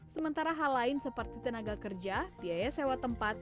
sementara hal lain seperti tenaga kerja biaya sewa tempat